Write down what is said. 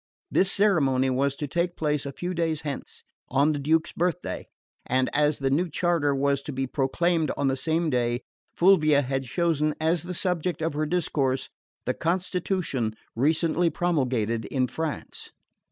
This ceremony was to take place a few days hence, on the Duke's birthday; and, as the new charter was to be proclaimed on the same day, Fulvia had chosen as the subject of her discourse the Constitution recently promulgated in France.